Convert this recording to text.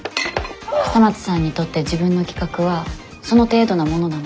笠松さんにとって自分の企画はその程度なものなの？